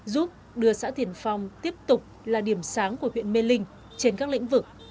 giúp đưa xã tiển phong tiếp tục là điểm sáng của huyện mê linh trên các lĩnh vực